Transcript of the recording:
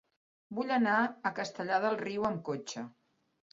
Vull anar a Castellar del Riu amb cotxe.